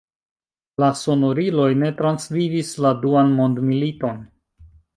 La sonoriloj ne transvivis la Duan mondmiliton.